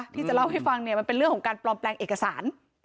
ที่จะเล่าให้ฟังเนี่ยมันเป็นเรื่องของการปลอมแปลงเอกสาร